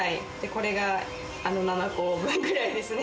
これが７個分くらいですね。